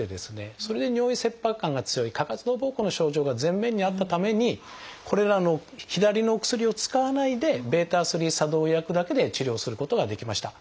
それで尿意切迫感が強い過活動ぼうこうの症状が前面にあったためにこれらの左のお薬を使わないでβ作動薬だけで治療することができました。